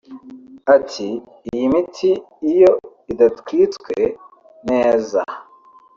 Ati “iyi miti iyo idatwitswe neza